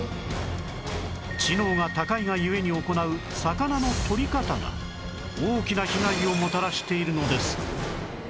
知能が高いが故に行う魚のとり方が大きな被害をもたらしているのです